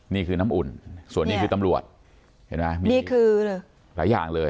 นี่คือน้ำอุ่นส่วนนี้คือตำรวจเห็นไหมนี่คือหลายอย่างเลย